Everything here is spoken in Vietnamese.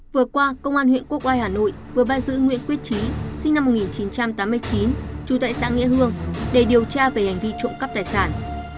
vừa qua công an huyện quốc oai hà nội vừa bắt giữ nguyễn quyết trí sinh năm một nghìn chín trăm tám mươi chín trú tại xã nghĩa hương để điều tra về hành vi trộm cắp tài sản